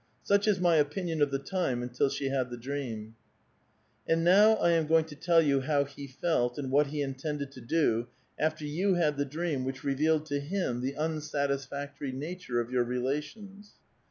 Such is my opinion of the time until Bhe had the dream." And now I am going to tell you how he felt and what he intended to do after you had the dream which revealed to him the unsatisfactory nature of your relations.